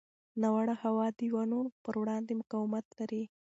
ناوړه هوا د ونو پر وړاندې مقاومت لري.